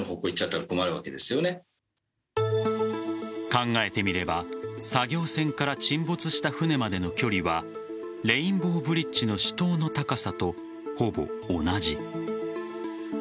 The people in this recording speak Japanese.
考えてみれば作業船から沈没した船までの距離はレインボーブリッジの主塔の高さとほぼ同じ。